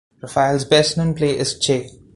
Raphael's best-known play is Che!